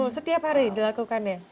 setiap hari dilakukannya